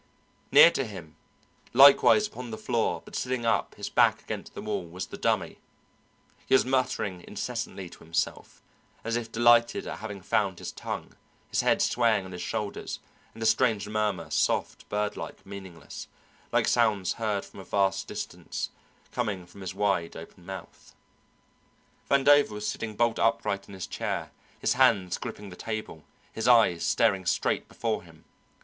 Near to him, likewise upon the floor, but sitting up, his back against the wall, was the Dummy. He was muttering incessantly to himself, as if delighted at having found his tongue, his head swaying on his shoulders, and a strange murmur, soft, birdlike, meaningless, like sounds heard from a vast distance, coming from his wide open mouth. Vandover was sitting bolt upright in his chair, his hands gripping the table, his eyes staring straight before him.